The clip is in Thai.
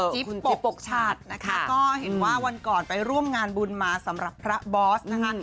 นี่แหละค่ะจิ๊บปกชาตินะคะก็เห็นว่าวันก่อนไปร่วมงานบุญมาสำหรับพระบอสนะคะ